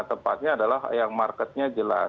tepatnya adalah yang marketnya jelas